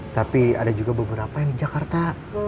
tapi ada juga beberapa yang di jakarta